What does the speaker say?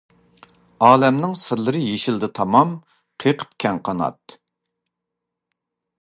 ئالەمنىڭ سىرلىرى يېشىلدى تامان، قېقىپ كەڭ قانات.